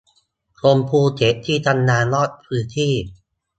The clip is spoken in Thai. คนภูเก็ตที่ทำงานนอกพื้นที่